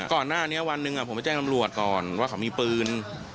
ก่อนหน้านี้วันหนึ่งผมไปแจ้งตำรวจก่อนว่าเขามีปืน